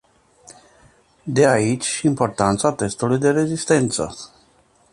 De aici și importanța testului de rezistență.